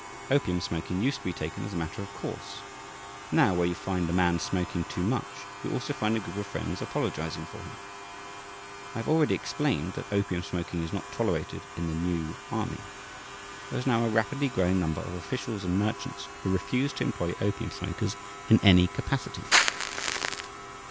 Opium smoking used to be taken as a matter of course; now, where you find a man smoking too much, you also find a group of friends apologizing for him. I have already explained that opium smoking is not tolerated in the "new" army. There is now a rapidly growing number of officials and merchants who refuse to employ opium smokers in any capacity.